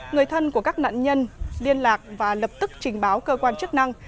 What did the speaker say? người thân của các nạn nhân liên lạc và lập tức trình báo cơ quan chức năng